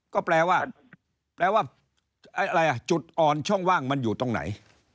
ก็แปลว่าแปลว่าอะไรอ่ะจุดอ่อนช่องว่างมันอยู่ตรงไหน